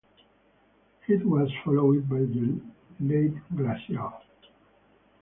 It was followed by the Late Glacial.